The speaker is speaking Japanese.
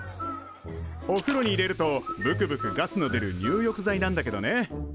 おふろに入れるとぶくぶくガスの出る入浴剤なんだけどね